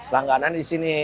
langganan di sini